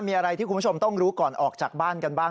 มีอะไรที่คุณผู้ชมต้องรู้ก่อนออกจากบ้านกันบ้าง